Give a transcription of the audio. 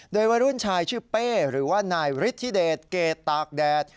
โดยวัยรุ่นชายชื่อเป้หรือว่านายฤทธิเดชเกรดตากแดด